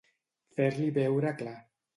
Fer-li veure clar.